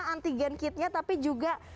antigen kitnya tapi juga